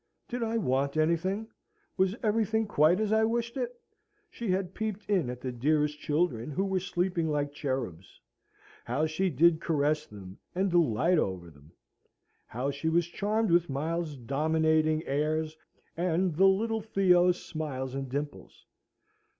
Did I want anything? Was everything quite as I wished it? She had peeped in at the dearest children, who were sleeping like cherubs. How she did caress them, and delight over them! How she was charmed with Miles's dominating airs, and the little Theo's smiles and dimples!